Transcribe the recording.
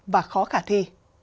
và khó khả thi